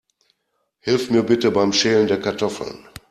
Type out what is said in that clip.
Hilf mir bitte beim Schälen der Kartoffeln.